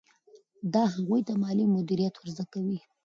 دا هغوی ته مالي مدیریت ور زده کوي.